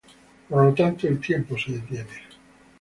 Por tanto, el tiempo se detiene.